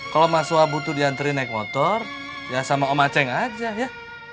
kalau mas suha butuh diantarin naik motor ya sama om aceh aja ya